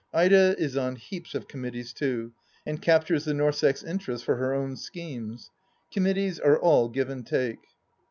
Ida is on heaps of committees, too, and captures the Norssex in terest for her own schemes. Committees are all give and take